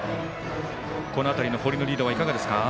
この辺りの堀のリードはいかがですか。